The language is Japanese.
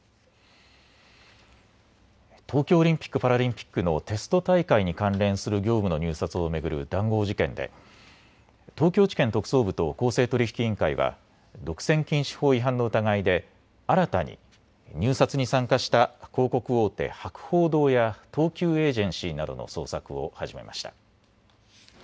東京オリンピック・パラリンピックのテスト大会に関連する業務の入札を巡る談合事件で東京地検特捜部と公正取引委員会は独占禁止法違反の疑いで新たに入札に参加した広告大手、博報堂や東急エージェンシーなどの捜索を始めました。